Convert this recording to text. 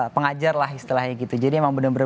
pengajar lah istilahnya gitu jadi emang bener bener